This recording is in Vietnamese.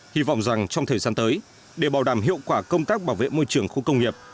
hy vọng rằng trong thời gian tới để bảo đảm hiệu quả công tác bảo vệ môi trường khu công nghiệp